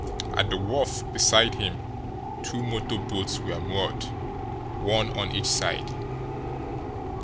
At the wharf, beside him, two motor boats were moored, one on each side.